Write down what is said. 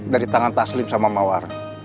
dari tangan taslim sama mawar